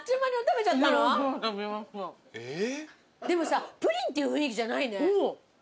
でもさプリンっていう雰囲気じゃないね。